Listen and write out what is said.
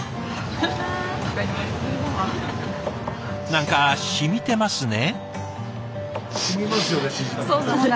何かしみてますね。